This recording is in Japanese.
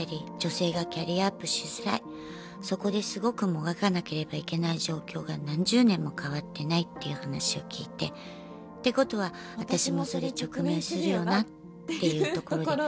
そこですごくもがかなければいけない状況が何十年も変わってないっていう話を聞いて。ってことは私もそれ直面するよなっていうところで。